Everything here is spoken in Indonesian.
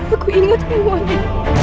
aku ingat semuanya